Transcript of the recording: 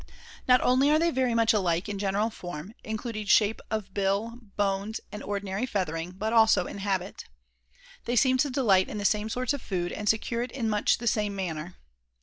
Not only are they very much alike in general form, including shape of feet, bill, bones, and ordinary feathering, but also in habit. They seem to delight in the same sorts of food and secure it in much the same manner.